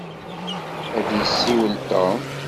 Ad d-yessiwel Tom.